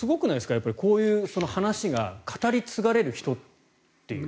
やっぱりこういう話が語り継がれる人っていう。